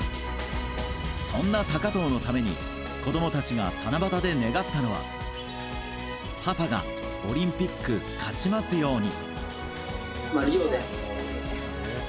そんな高藤のために子供たちが七夕で願ったのはパパがオリンピック勝ちますように。